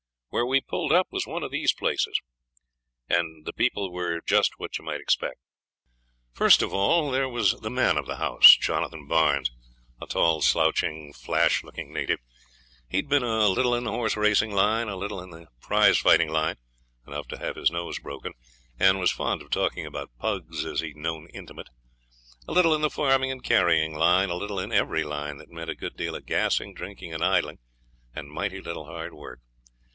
Where we pulled up was one of these places, and the people were just what you might expect. First of all there was the man of the house, Jonathan Barnes, a tall, slouching, flash looking native; he'd been a little in the horse racing line, a little in the prize fighting line enough to have his nose broken, and was fond of talking about 'pugs' as he'd known intimate a little in the farming and carrying line, a little in every line that meant a good deal of gassing, drinking, and idling, and mighty little hard work.